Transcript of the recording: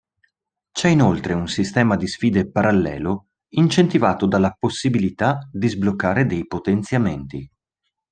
C'è inoltre un sistema di sfide parallelo, incentivato dalla possibilità di sbloccare dei potenziamenti.